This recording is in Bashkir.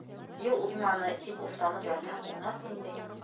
- Юл уңманы тип уфтанып ятһаҡ, уңмаҫ инде.